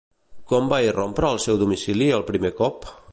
Quan va irrompre al seu domicili el primer cop?